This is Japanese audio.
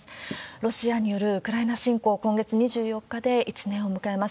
ロシアによるウクライナ侵攻、今月２４日で１年を迎えます。